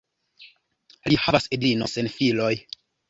Li havas edzinon sen filoj.